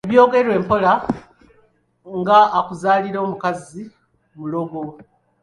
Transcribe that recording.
Byogerwa mpola, ng’akuzaalira omukazi mulogo.